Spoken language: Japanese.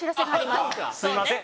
すみません。